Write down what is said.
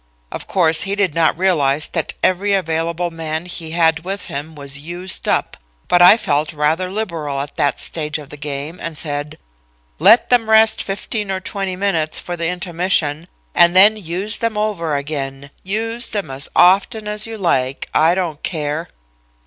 Of course, I did not realize that every available man he had with him was used up, but I felt rather liberal at that stage of the game and said: "'Let them rest fifteen or twenty minutes for the intermission, and then use them over again; use them as often as you like. I don't care.'